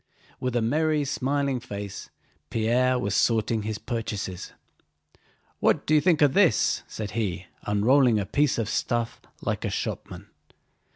With a merry, smiling face Pierre was sorting his purchases. "What do you think of this?" said he, unrolling a piece of stuff like a shopman.